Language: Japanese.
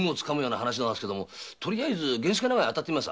とりあえず源助長屋を当たってみます。